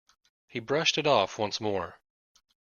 He brushed it off once more.